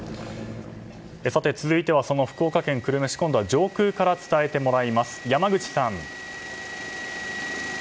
さて、続いては福岡県久留米市の今度は上空から伝えてもらいます。